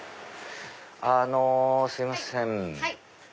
あのすいません。